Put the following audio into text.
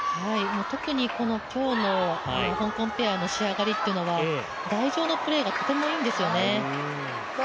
特に、今日の香港ペアの仕上がりっていうのは台上のプレーがとてもいいんですよね。